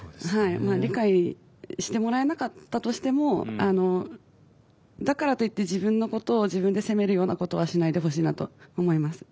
理解してもらえなかったとしてもだからといって自分のことを自分で責めるようなことはしないでほしいなと思います。